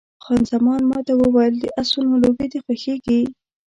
خان زمان ما ته وویل، د اسونو لوبې دې خوښېږي؟